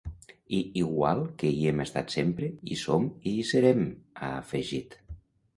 I igual que hi hem estat sempre, hi som i hi serem, ha afegit.